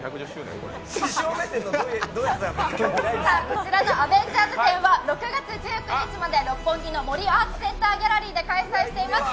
こちらのアベンジャーズ展は６月１９日まで六本木森アーツセンターギャラリーで開催しています。